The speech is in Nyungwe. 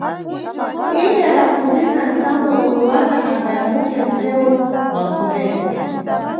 Iye adapfundzisa nʼsambo omwe wana angayambuke nʼsewu mwanʼkhomeko.